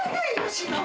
忍。